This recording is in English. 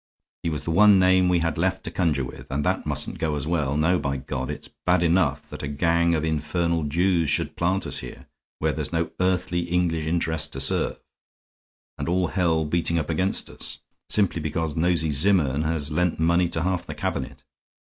He was the one name we had left to conjure with, and that mustn't go as well, no, by God! It's bad enough that a gang of infernal Jews should plant us here, where there's no earthly English interest to serve, and all hell beating up against us, simply because Nosey Zimmern has lent money to half the Cabinet.